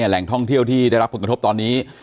แหล่งท่องเที่ยวที่ได้รับผลกระทบตอนนี้